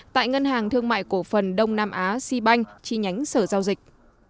tại ngân hàng thương mại cổ phần đông nam á xi banh chi nhánh sở giao dịch